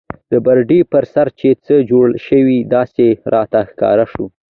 د برنډې پر سر چې څه جوړ شي داسې راته ښکاره شو.